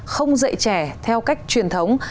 không dạy trẻ theo cách truyền thống